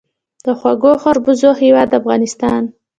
د خوږو خربوزو هیواد افغانستان.